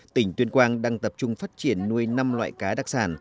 tỉnh tuyên quang đang tập trung phát triển nuôi năm loại cá đặc sản